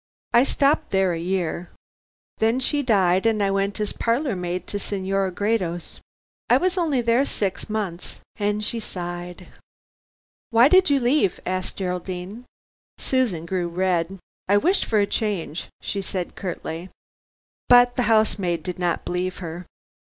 I stopped there a year. Then she died and I went as parlor maid to a Senora Gredos. I was only there six months," and she sighed. "Why did you leave?" asked Geraldine. Susan grew red. "I wished for a change," she said curtly. But the housemaid did not believe her.